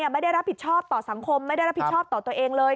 ไม่ได้รับผิดชอบต่อสังคมไม่ได้รับผิดชอบต่อตัวเองเลย